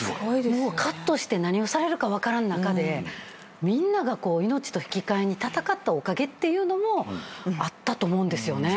かっとして何をされるか分からん中でみんなが命と引き換えに戦ったおかげっていうのもあったと思うんですよね。